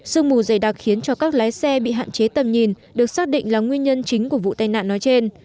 sương mù dày đặc khiến cho các lái xe bị hạn chế tầm nhìn được xác định là nguyên nhân chính của vụ tai nạn nói trên